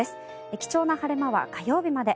貴重な晴れ間は火曜日まで。